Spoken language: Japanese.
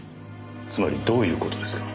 つまりどういう事ですか？